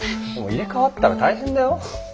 入れ代わったら大変だよ。